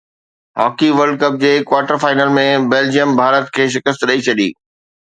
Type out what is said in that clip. hockey world cup جي quarter final ۾ Belgium Bharat کي شڪست ڏئي ڇڏي